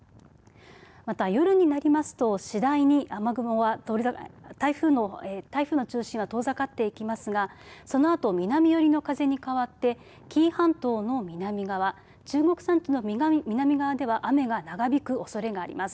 また、夜になりますと次第に雨雲は台風の中心は遠ざかっていきますがそのあと南寄りの風に変わって紀伊半島の南側中国山地の南側では雨が長引くおそれがあります。